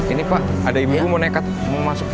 ini pak ada ibu yang mau nekat mau masuk